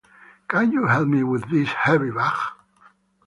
Can you help me with this heavy bag?